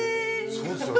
そうですよね。